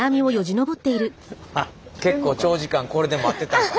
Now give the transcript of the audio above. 結構長時間これで待ってたんかな。